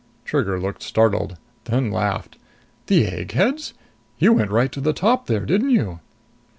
Trigger looked startled, then laughed. "The eggheads? You went right to the top there, didn't you?"